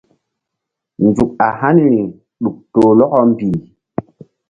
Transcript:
Nzuk a haniri ɗuk toh lɔkɔ mbih.